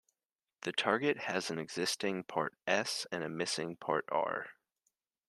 The target has an existing part "S" and a missing part "R".